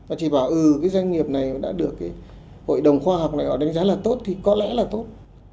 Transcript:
ừ cái doanh nghiệp này đã được hội đồng khoa học này họ đánh giá là tốt thì có lẽ là tốt